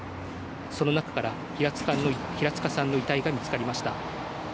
その中から平塚さんの遺体が見つかりました。